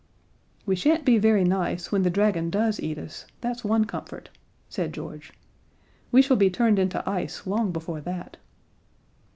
"We shan't be very nice when the dragon does eat us, that's one comfort," said George. "We shall be turned into ice long before that."